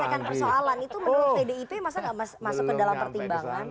bisa menyelesaikan persoalan itu menurut tdip masa gak masuk ke dalam pertimbangan